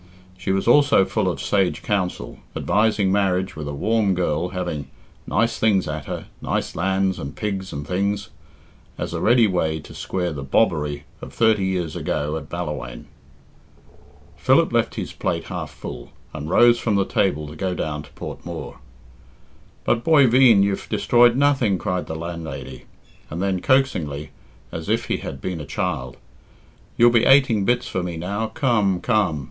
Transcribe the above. She was also full of sage counsel, advising marriage with a warm girl having "nice things at her nice lands and pigs and things" as a ready way to square the "bobbery" of thirty years ago at Ballawhaine. Philip left his plate half full, and rose from the table to go down to Port Mooar. "But, boy veen, you've destroyed nothing,", cried the landlady. And then coaxingly, as if he had been a child, "You'll be ateing bits for me, now, come, come!